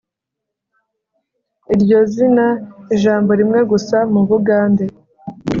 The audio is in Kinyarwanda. Iryo zina ijambo rimwe gusa MU BUDAGE